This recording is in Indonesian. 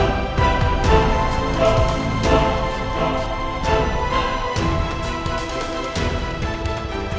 mama bolong dulu ya